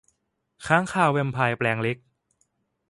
ค้างคาวแวมไพร์แปลงเล็ก